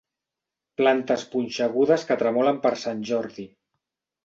Plantes punxegudes que tremolen per sant Jordi.